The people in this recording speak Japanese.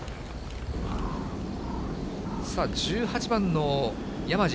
さあ１８番の山路。